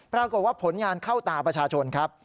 ปรากฏว่าผลงานเข้าตาประชาชนครับ